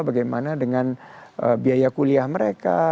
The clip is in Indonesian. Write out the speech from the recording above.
bagaimana dengan biaya kuliah mereka